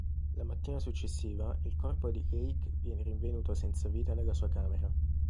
La mattina successiva il corpo di Lake viene rinvenuto senza vita nella sua camera.